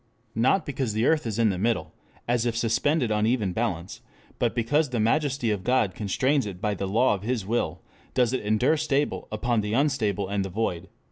Not because the earth is in the middle, as if suspended on even balance, but because the majesty of God constrains it by the law of His will, does it endure stable upon the unstable and the void."